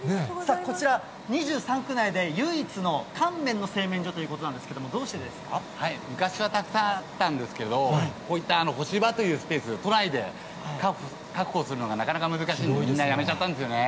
こちら２３区内で唯一の乾麺の製麺所ということなんですけども、昔はたくさんあったんですけど、こういった干し場というスペース、都内で確保するのがなかなか難しいんで、みんなやめちゃったんですよね。